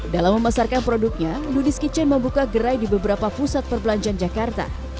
dalam memasarkan produknya ludis kitchen membuka gerai di beberapa pusat perbelanjaan jakarta